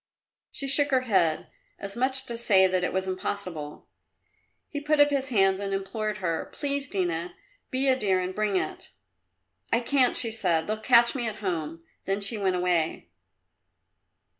She shook her head, as much as to say that it was impossible. He put up his hands and implored her, "Please, Dina! Be a dear and bring it!" "I can't," she said; "they'll catch me at home." Then she went away.